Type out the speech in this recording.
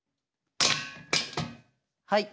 はい。